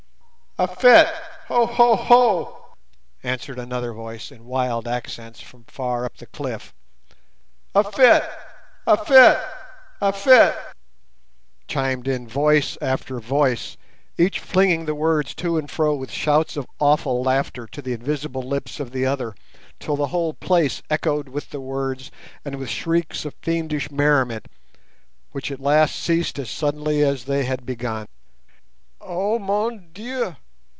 ho!"—"A fit, Ho! ho! ho!_" answered another voice in wild accents from far up the cliff—a fit! a fit! a fit! chimed in voice after voice—each flinging the words to and fro with shouts of awful laughter to the invisible lips of the other till the whole place echoed with the words and with shrieks of fiendish merriment, which at last ceased as suddenly as they had begun. "Oh, mon Dieu!"